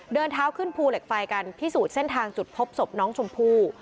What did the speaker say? เดินเท้าขึ้นภูเหล็กไฟกันพิสูจน์เส้นทางจุดพบศพน้องชมพู่